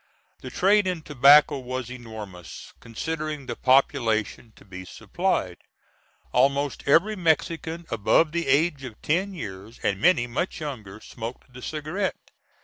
The trade in tobacco was enormous, considering the population to be supplied. Almost every Mexican above the age of ten years, and many much younger, smoked the cigarette.